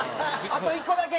あと１個だけ。